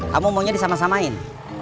kamu maunya disama samain